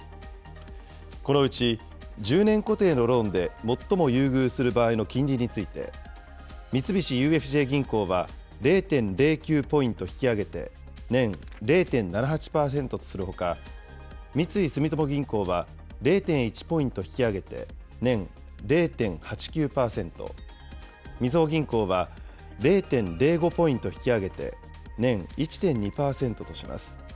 このうち、１０年固定のローンで最も優遇する場合の金利について、三菱ＵＦＪ銀行は０．０９ポイント引き上げて年０．７８％とするほか、三井住友銀行は０．１ポイント引き上げて年０．８９％、みずほ銀行は０．０５ポイント引き上げて年１．２％とします。